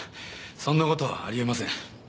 そんなことはあり得ません。